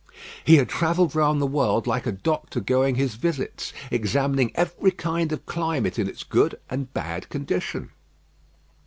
He had travelled round the world like a doctor going his visits, examining every kind of climate in its good and bad condition.